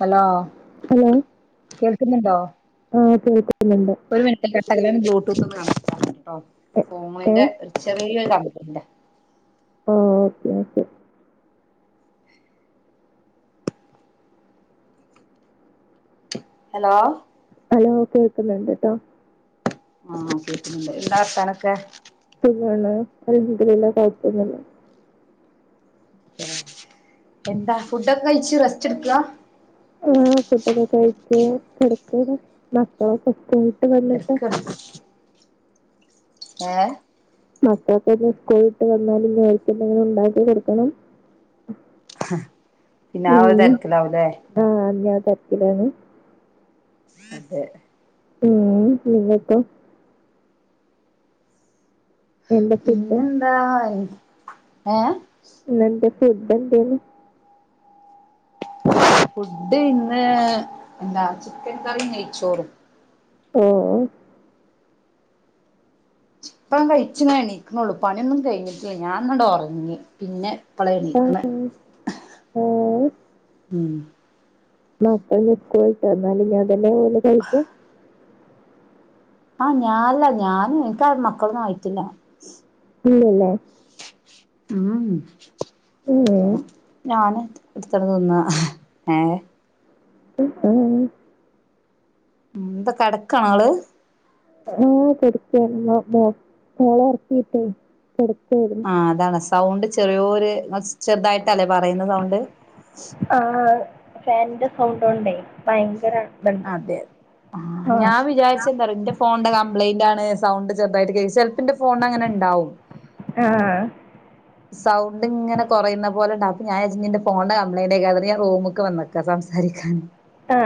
Hello hello കേൾക്കുന്നുണ്ടോ? ആ കേൾക്കുന്നുണ്ട് ഒരു മിനി [unintelligible] കട്ട അൻ ബ്ലൂടൂത്ത്ന്ന് കാണററ്ആക കേട്ടോ എ ഏ ഫോണിന്റെ ചെറിയൊ [inaudible] [unintelligible] ഓ ഓക്കെ ഓക്കേ ഹലോ? ഹലോ കേൾക്കുന്നുണ്ട് ട്ടോ. ആ കേട്ടുന്നുണ്ട് എന്താ വർത്താനം ഒക്കെ. സുഖാണ് അൽഹംദുലില്ലാ കുഴപ്പമില്ല. എന്താ ഫുഡ്ക്കെ ആഹ ഫുഡ് ഒക്കെ കഴിച്ച് കിട്ക്കകണ് മക്കളൊക്കെ സ്കൂൾ [unintelligible] ഹെ മക്കളൊക്കെ സ്കൂൾ ഇട്ട് വന്നാല് ഓർക്ക് എന്തെങ്കിലും ഉണ്ടാക്കി കൊടുക്കണം. പിന്നെ ഉ ആ ഒരു തിരക്കിലാവൂലേ ആഹ ഞാ തക്കിലാണ്. അതെ ഉം നിങ്ങൾക്കോ എന്താ ഫുഡ് പിന്നെന്താ ഏ ഇനാ എന്ത ഫുഡ് എന്തായിരുന്നു. ഫുഡ് ഇന്ന് എന്താ ചിക്കൻ കറി നെയ്യ് ച്ചോറും. ഓ ഇപ്പ കഴിച്ച് എണീക്കുന്നുള്ളൂ. പണിയൊന്നും കഴിഞ്ഞിട്ടില്ല. ഞാൻ ഒന് ഉറങ്ങി പിന്നെ. ഇപ്പളാ എണീക്കണെ [unintelligible] ആ ഉം മക്കളെ സ്കൂള്ട് ന്നാലും ഞാൻതന്നെ ഒല് കഴിക്കാ ആഹ് ഞാനല്ല ഞാന് എനിക്ക മക്കളൊന്നും ആായിട്ടില്ല. ഇലല്ലേ? ഉം അപ്പ ഉം. ഞാന്. എടുത്തിട്ത്തിന്ന ഏ ആഹ [unintelligible] ഉം ന്ത കടക്കാണോ ങ്ങള് ആ കെടക്കായിരുന്നു മോ മോളെ ഒറക്കിയിട്ടേ കൊടക്കായിരുന്നു ആഹ് അതാണ് സൗണ്ട് ചെറിയോര് ങ്ങള് ചെറുതായിട്ടല്ലേ പറയുന്നത് സൗണ്ട് ഫാൻന്റെ സൗണ്ട ഉണ്ടേ ഭയങ്കര അതെ ആ ഞാൻ വിചാരിച്ച എന്താറ എന്റെ ഫോണിന്റെ കംപ്ലൈന്റ്ണ് സൗണ്ട് ചെറതായിട്ട്െ [unintelligible] ൽപ്പിന്റെ ഫോൺ അങ്ങനെ ഉണ്ടാവും ആ സൗണ്ട്ങ്ങനെ കൊറയുന്ന പോലെണ്ട് അപ്പൊ ഞാൻ വിജിരിച്ച് ന്റെ ഫോൺന്റെ കംപ്ലയിന്റയിക്കാരം ന്നിട്ട് ഞാൻ റൂമക്ക് വന്ന്ക്കാ സംസാരി രിക്കാന് ആ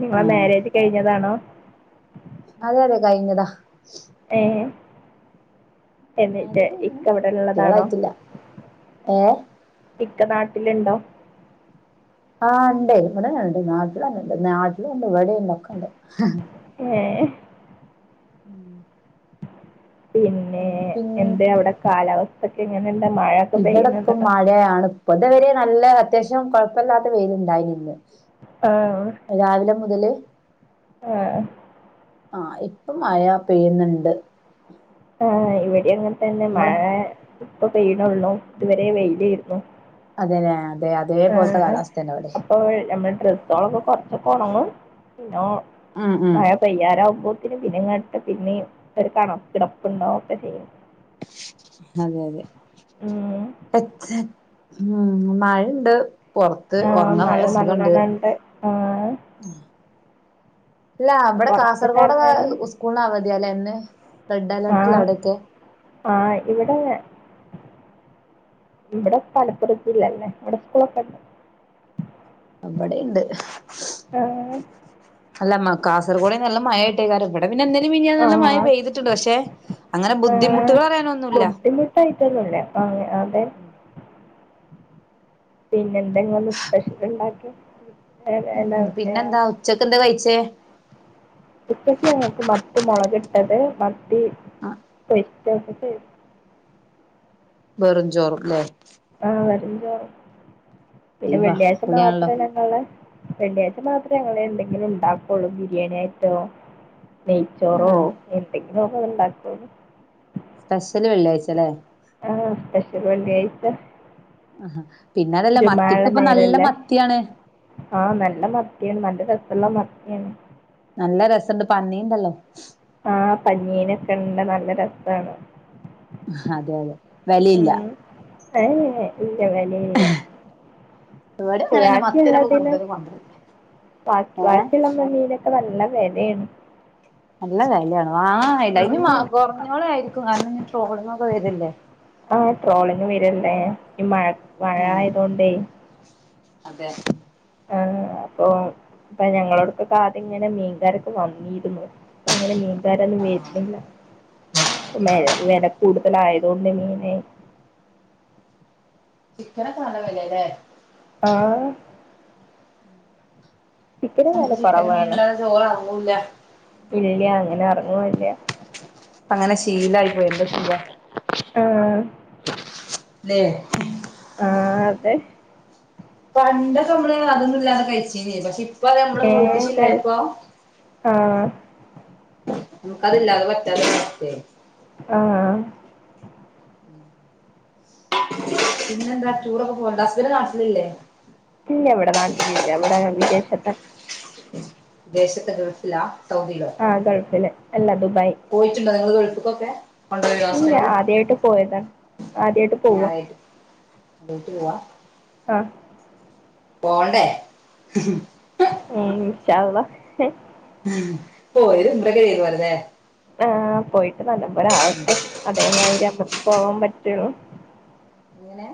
നിങ്ങളെ ആഹ് മാരേജ് കഴിഞ്ഞതാണോ അതെ അതെ കൈഞ്ഞതാ ഏ എന്നിട്ട് മാരേജ് കഴിഞ്ഞ്ണ് ഇക്കവിടെള്ളതാണോ കുട്ടികളായിട്ടില്ല ഏ ഇക്കനാട്ടിലുണ്ടോ ആ ണ്ടേയ് ഇവിടെന്നണ്ട് നാട്ടിലന്നെണ്ട് നാട്ടിലുണ്ട് ഇവടീണ്ട് ഒക്കെണ്ട് ഏ ഉം പിന്നെ പിൻ എന്തേ അവിടെ കാലാവസ്ഥൊക്കെ എങ്ങനെണ്ട് ഇവിടെ ഇപ്പം മഴയാണ് ഇപ്പതുവരേ നല്ല അത്യാവശ്യം കൊഴപ്പല്ലാത്ത വെയിലുണ്ടായിനിന്ന് ആ മുതല് ആ ആ ആ ഇപ്പം മയ പെയ്യുന്നുണ്ട് ആ ഇവിടിം അങ്ങനെ തന്നെ ഇങ്ങളെ മഴ ഇപ്പൊ പെയ്യ്ണുള്ളു ഇതുവരെ വെയിലായിരുന്നു അതേലേ ആ ആ അപ്പൊ നമ്മളെ ഡ്രസ്സാളൊക്കെ കൊർച്ചൊ പൊണങ്ങും പിനോ ഉം ഉം മഴ പെയ്യരാവുമ്പോൾ പിന്നെ പിന്നെങ്ങാട്ട് പിന്നെയും ഒരു കണ ക്കിടപ്പുണ്ടാവും ഒക്കെ ചെയ്യും അതെ അതെ ഉം പച്ച ഉം മഴണ്ട് പൊർത്ത് ആഹ് ഒർങ്ങാൻ മഴ നല്ല സുഖണ്ട് നല്ലോണണ്ട് ആഹ് ഇല്ലാ ബടെ പൊറത്ത്ക്ക് കാസർഗോടൊക്കെ എറങ്ങാനൊന്നും സ്കൂളിനവതിയാല്ലേ ഇന്ന് റെഡ് ആ അലേർട്ടിലാ അവിടെയൊക്കെ ആ ഇവിടെ ഇവിടെ മലപ്പുറത്തില്ലല്ലേ ഇവിടെ സ്കൂളൊക്കെണ്ട് ബടീണ്ട് ആഹ് അല്ല മക്ക കാസർഗോട് നല്ല മഴായിട്ടയ്ക്കാരം ബടെ പിന്നെ ഇന്നലിം മിഞ്ഞാന്നും നല്ല മഴ ആഹ് പെയ്തിട്ടുണ്ട് പക്ഷേ അങ്ങനെ ആഹ് ബുദ്ധിമുട്ടുകളറിയാനൊന്നുല്ല ബുദ്ധിമുട്ടായിട്ടൊന്നുല്ല ആഹ് അതെ പിന്നെ എന്ത ങ്ങളിന്ന് സ്പെഷ്യലുണ്ടാക്കി [unintelligible] അല്ല ഉം ഏ പിന്നെന്താ ഉച്ചക്ക് എന്താ കഴിച്ചേ ഉച്ചയ്ക്ക് ഞങ്ങൾക്ക് മത്തിമുളകിട്ടത് മത്തി ആ [unintelligible] വെറും ചോറുംലേ ആ വെറും ചോറ് പിന്നെ ഇവാ വെള്ളിയാഴ്ച പൊളിയാണല്ലോ മാത്രല്ലേ ങ്ങള് വെള്ളിയാഴ്ച്ച മാത്രേ ഞങ്ങള് എന്തെങ്കിലും ഉണ്ടാക്കുള്ളൂ ബിരിയാണി ആയിട്ടോ നെയ്ച്ചോറോ ആ എന്തെങ്കിലും ഒക്കെ ങ്ങനെണ്ടാ [unintelligible] സ്പെഷല് വെള്ളിയാഴ്ച്ചലേ ആ സ്പെഷല് വെള്ളിയാഴ്ച്ച ആഹാ പിന്നെ അതല്ല മത്തിക്ക് ഇപ്പ നല്ല മത്തിയാണ് ആ നല്ല മത്തിയാണ് നല്ല രസള്ള മത്തിയാണ് നല്ല രസണ്ട് പന്നീൻണ്ടല്ലോ ആ പനീനൊക്കെ ഇണ്ട് നല്ല രസാണ് അതെ അതെ വെലീല്ല ഹേ ഹേ ഇല്ല വലയില്ല ഇവിടെ പക്ഷെ അങ്ങനെന്നെ മത്തിനെ ഇപ്പോ ബാക്കിയ്ള്ളതിന് കൂടുതൽ കൊണ്ടരല് ബാ ഏ ബാക്കിള്ള മീന് നല്ല വെലേണ് നല്ല വെലേണ് ആ അയ്ലയ്ന് കോർഞ്ഞോളായിരിക്കും കാരണം ഇ ട്രോളിങ്ങോക്കെ വെര്ല്ലേ ആ ട്രോളിങ്ങ് വെര്ല്ലേ ഈ മഴ മഴ ആ ആയതൊണ്ടേ അതെ ആ അപ്പൊ ഇപ്പ ഞങ്ങളോട്ക്കൊക്കെ ആദ്യം ഇങ്ങനെ മീൻകാരൊക്കെ വന്നിരുന്നു ഇപ്പം അങ്ങനെ മീൻകാരൊന്നും വെര്ന്നില്ല മേല വെല കൂടുതലായതൊണ്ട് [unintelligible] ചിക്കനോക്കെ നല്ല വെലഴാല്ലേ ആ ചിക്കന് വെല നമുക്ക് ചിക്കനും കോറവാണ് മീനില്ലാതെ ചോറ് എറങ്ങൂല്ല ഇല്ല അങ്ങനെ എറങ്ങുല്ല അങ്ങനെ ശീലയി പോയി എന്താ ചെയ്യാ ആഹ് ല്ലേ ആ അതെ പണ്ടൊക്കെ മ്മള് അതൊന്നും ഇല്ലാതെ കഴിച്ചിനി പക്ഷെ ഇപ്പ നമ്മള് ഏഹ് [unintelligible] ഇപ്പൊ കഴിച്ചു ആഹ് നമുക്ക്‌തില്ലാതെ പറ്റാതെ ഒരവസ്ഥയായി ആ ആ പിന്നെ എന്താ ടൂറൊക്കെ പോവലുണ്ടോ? ഹസ്ബന്റ് നാട്ടിലില്ലേ? ഇല്ല ഇവിടെ നാട്ടില് ഇല്ല ഇവിടെ വിദേശത്ത വിദേശത്ത് ഗൽഫ്‌ലാ ആ ഗൾഫ്‌ല് അല്ലാ ദു പോയിട്ട്ണ്ടോ നിങ്ങള് ഗൾഫ്‌ക്കൊക്കെ കൊണ്ടോയോ ഇല്ല ഹസ്ബന്റ് ആദ്യായിട്ട് പോയതാ ആദ്യായിട്ട് പോവാ [unintelligible] അ പോണ്ടേ ഉം ഇൻഷാ അള്ളാ പോഴാ ഒരു ഹുംമ്റയോക്കെ ചെയ്ത് പോരല്ലേ ആ പോയിട്ട് നല്ല പോലെഴാവട്ടെ അതേ മായ്രി പോവാൻ പറ്റോ എങ്ങനെ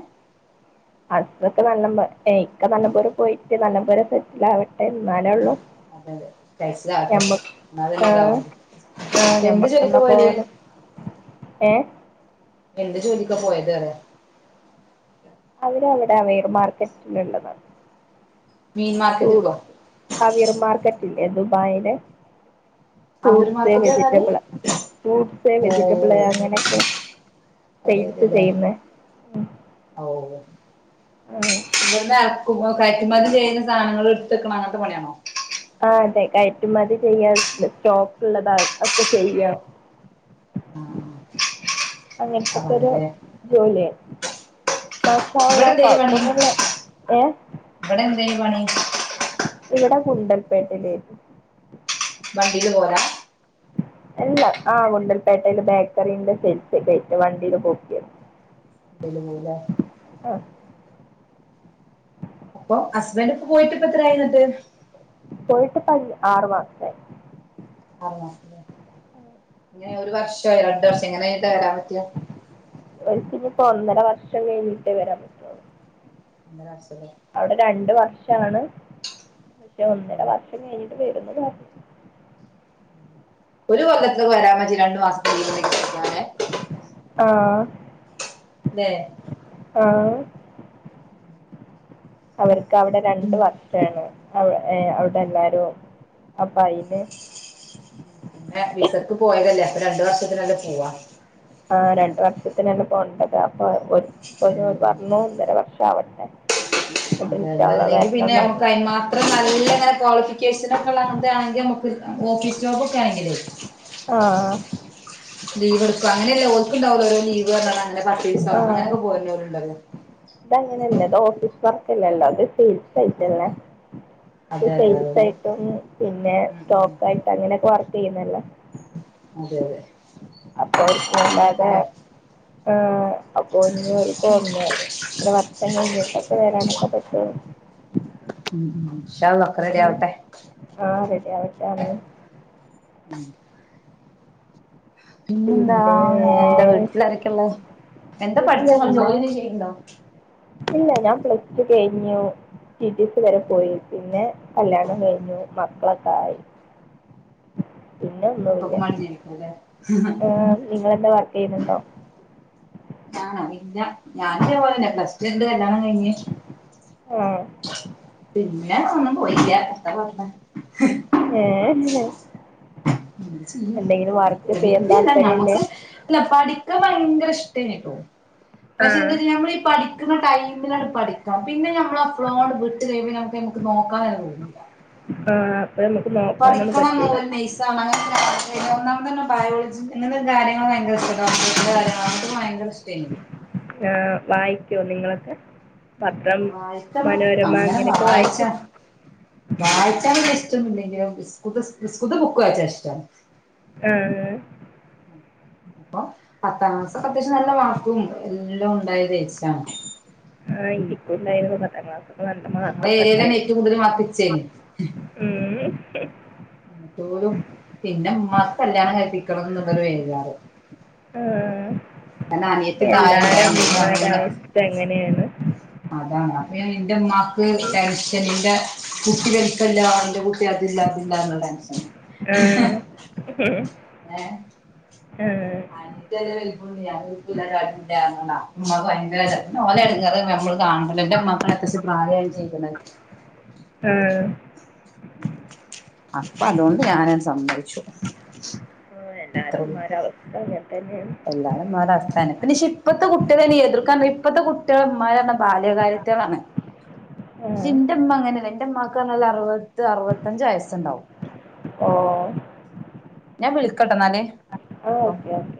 [unintelligible] ഇക്ക നല്ലപോലെ പോയിട്ട് നല്ലപോലെ സെറ്റ്ല് ആവട്ടെ എന്നാലേ ഒള്ളു അതെ അതെ കഴിച്ചിലാവട്ടെ എന്നാലന്നെ ഇതാവു ആ ഞമ്മക്കന്നാ പോവാലോ ഏ എന്ത് ജോലിക്കാ പോയത് അറിയോ? അവര് അവിടെ വെയർ മാർക്കറ്റിനുള്ളതാണ് മീൻ ഓ മാർക്കറ്റ്ക്കോ അവിയർ മാർക്കറ്റ് ഇല്ലേ ദുബായില് അവ്ര് മാർക്കറ്റ്ന്ന് പർഞാല് വെജിറ്റബിള് ഫ്രൂട്ട്സ് ഓ വെജിറ്റബിള് അങ്ങനെയൊക്കെ അതെ സെയിൽസ് അതെല്ലെ ചെയ്യുന്നെ ഉം ഓ ആഹ് ഇവട്ന്ന് എറക്കുബം കയറ്റുമതി ചെയ്യുന്ന സാധനങ്ങള് ഇട്ത്ത്ക്ണ അങ്ങനത്തെ പണിയാണോ ആ അതെ കയറ്റുമതി ചെയ്യാം സ്റ്റോക്ക് ഉള്ളതാ ഒക്കെ ചെയ്യാണ് ആ അങ്ങൻത്തെക്കോരു പണില്ലേ ജോലിഴാണ് മാഷാ ഇവിടെ അള്ളാ എന്തേലും പണി കൊഴപ്പൊന്നുല്ല ഏ [unintelligible] വ്ടെ ഗുണ്ടൽപേട്ടില് വണ്ടീല് പോലാ എല്ലാ ആ കുണ്ടൽപേട്ടയില് ബേക്കറിന്റെ സെയിൽസ് ഒക്കേയിട്ട് വണ്ടീല് പോക്കേയിരുന്നു [unintelligible] അ അപ്പൊ ഹസ്ബന്റ് ഇപ്പോ പോയിട്ട് ഇപ്പ എത്രായിന്ന്ട്ട് പോയിട്ടിപ്പോ അഞ് ആറു മാസായി [unintelligible] ഇങ്ങനെ ഒരു വർഷോ ആ രണ്ട് വർഷോ എങ്ങനെ കേറാൻ പറ്റ ഓരി‌ക്കിനീപ്പോ ഒന്നര വർഷം കഴിഞ്ഞിട്ടേ വരാൻ പറ്റൊള്ളു ഒന്നര വർഷം അവിടെ രണ്ട് വർഷാണ് പക്ഷെ ഒന്നര വർഷം കഴിഞ്ഞിട്ട് വ രാന്ന് പറഞ്ഞ് ഒരു കൊല്ലത്തില് വരാൻ പറ്റി രണ്ടു മാസത്തി ലീവൊക്കെ കിട്ടികഴിഞ്ഞാല് ആ ഇല്ലേ ആ അവർക്ക് അവിടെ രണ്ട് ഉം വർഷാണ് അവ ഏഹ് അവിടെ എല്ലാരും അപ്പ അയില് പിന്നെ വിസക്ക് പോയതല്ലേ അപ്പൊ രണ്ട് വർഷത്തിനല്ലേ പോവാ ആ രണ്ട് വർഷത്തിനന്നേ പോവേണ്ടത് അപ്പൊ ഓ ഓര് പറഞ്ഞു ഒന്നര വർ ഷാവട്ടെ അതെ അതെ അല്ലെങ്കി പിന്നെ നമ്മുക്ക് പറഞ്ഞു അതിന് മാത്രം നല്ലിങ്ങനെ ക്വാളിഫിക്കേഷനൊക്കെ ഇള്ള അങ്ങെനത്തെ ആണെങ്കിൽ നമുക്ക് ഓഫീസ് ജോബൊക്കെ ആണെങ്കിലേ ആ ലീവ് എടുക്കാം അങ്ങനെയല്ല ഓൽക്കുണ്ടാവല്ലോ ഓരോ ലീവ് പറഞ്ഞ അങ്ങനെ പത്ത് ദിവസം ആ അങ്ങനൊക്കെ പോരുന്നവരുണ്ടല്ലോ ഇതങ്ങനെയല്ല ഇത് ഓഫീസ് വർക്കല്ലല്ലോ ഇത് സെയിൽസ് അതെ ആയിട്ടല്ലേ ഇത് അതെ അതെ സെയിൽസ് അതുകൊണ്ട് ആയിട്ടും പിന്നേ ഉം ഉം സ്റ്റോക്ക് ആയിട്ടും അങ്ങനെയൊക്കെ വർക്ക് ചെയ്യുന്നല്ലോ അതെ അതെ അപ്പൊ അവർക്ക് വല്ലാതെ അങ്ങനെയൊക്കെല്ലേ ഏഹ് അപ്പൊ [unintelligible] ഇത്ര വർഷം കഴിഞ്ഞിട്ടൊക്കെ വരാനൊക്കെ പറ്റുള്ളൂ ഉം ഉ ഇന്ഷാ അല്ലാഹ് ഒക്കെ റെഡി ആവട്ടെ. ആ റെഡി ആവട്ടെ ആമീൻ ഉം പിന്നെന്താ പിന്നെ പിന്നെ എന്താ വീട്ടിലാരക്കെ ഇള്ളെ? എന്താ പഠിച്ചേന്ന് പറഞ്ഞെ ജോലി വീട്ടിലുമ്മ എന്തേലും ചെയ്യന്നുണ്ടോ? ഇല്ല ഞാൻ പ്ലസ് ടു കഴിഞ്ഞു ടി. ടി. സി വരെ പോയി പിന്നെ കല്യാണം കഴിഞ്ഞു മക്കളൊക്കെ ആയി പിന്നെ ഒന്നുമല്ല മക്കൾക്കും വേണ്ടി ജീവിക്കും അല്ലേ ഏഹ് നിങ്ങെളെന്താ വർക്ക് ചെയ്യുന്നുണ്ടോ ഞാനോ ഇല്ല ഞാനതേ പോലെന്നെ പ്ലസ് ടു കഴിഞ്ഞട്ട് കല്യാണം കഴിഞ്ഞ് ആ പിന്നാ ഒന്നും പോയില്ല [unintelligible] ഏഹ് എന്ത് ചെയ്യും എന്തെങ്കിലും വിധി. വർക്ക് അല്ല ചെയ്യാൻ വിധിയല്ല താല്പര്യല്ലേ ഞമ്മക്ക് അല്ല പഠ ക്കാൻ ഭയങ്കര ഇഷ്ട്ടേനിട്ടോ പക്ഷെ ആഹ് എന്താന്ന് വെച്ചാൽ നമ്മളീ പഠിക്കണ ടൈമിലങ്ങട് പഠിക്കണം. പിന്നെ നമ്മൾ ഫ്ലോ അങ്ങട് വിട്ട്കഴിയുമ്പോൾ ന മുക്ക് നോക്കാനേ അത് തോന്നില്ല. ആ പഠിക്കണം എന്നൊള്ള ഒരു നേഴ്സാകണം [unintelligible] ഒന്നാമതന്നെ ബയോളജി എന്നണ് കാര്യങ്ങള് ഭയങ്കര ഇഷ്ട്ടേയിരുന്നു ഡോക്ടേഴ്‌സിന്റെ കാര്യങ്ങള് അങ്ങനത്തെ ഭയങ്കര ഇഷ്ട്ടേയിരുന്നു ആ വായിക്കോ നിങ്ങളക്കെ പത്രം വായിക്കണം മനോരമ ഇങ്ങനെയൊക്കെ വായിക്കോ വായിച്ചാാന ഇഷ്ടന്ന ഇില്ലെങ്കിലും സ്കൂൾത്ത സ്കൂൾത്ത ബുക്ക് വായിച്ചാ ഇഷ്ടമാണ് ഹ് മ് അപ്പൊ പത്താം ക്ലാസ്സ്‌ അത്യാവശ്യം നല്ല മാർക്കുണ്ട് എല്ലാം ഉണ്ടായത്േച്ചാണ് ആഹ് ഇനിക്കുണ്ടായിരുന്നു പത്താം ക്ലാസ് നല്ല ഞങ്ങളെ മാർക്കക്ക ഏരിയയിലെന്നെ ഇണ്ടായിരുന്നു ഏറ്റവും കൂടുതൽ മാർക്ക് ഇച്ചേനി ഉം [unintelligible] പിന്നുമ്മാക്ക് കല്യാണം കഴിപ്പിക്കണം എന്നുള്ളൊരു ബേജാറ് ആഹ കാരണം അനിയത്തി താഴെ ഉണ്ടായിനി ഓള് എല്ലാരുമ്മാരെ അന്നന്നെ അവസ്ഥ അങ്ങനെ ആണ് അതാണ് അപ്പൊ ഞ നിന്റെ ഉമമാക്ക് ടെൻഷൻ നിന്റെ കുട്ടി വെൽപ്പല്ല ന്റെ കുട്ടി അതില്ല അതില്ല എന്നുള്ള ടാൻഷൻ ആഹ് ആഹ ആഹ് അയിട്ട് വിണ്ട് ഞാനരാടി ഉ ഭയങ്കര മല എടുക്ക അ നമ്മള് കഡലന്റെ മമ്മക്കള അത്യാശം പ്രായാണ് ചെയ്ക്കുന്നത്. ആഹ് അപ്പൊ അതുകൊണ്ട് ഞാനങ്ങ് സമ്മതിച്ചു ആ അത്രേ ഉള്ളൂ എല്ലാരുംമാര അവസ്ഥ ങ്ങൻ തന്നെ എല്ലാരും മര അവസ്ഥാന പിന്നെക്ഷെ ഇപ്പഴത്തെ കുട്ടികളെെ എതിർക്കാൻ ഇപ്പത്തെ കുട്ടികളമാര ബാല്യകാര്യത്താണ് പക്ഷെ ആഹ് എന്റെ അമ്മ അങ്ങനെയല്ല എന്റെ അമ്മമാക്കാണല്ല അറുപത് അറുപത്തഞ്ച് വയസ്സുണ്ടാവും ഓ ഞാൻ വിള കെട്ടെന്നാലേ ആ അപ്പൊ ഓക്കെ ഓക്കെ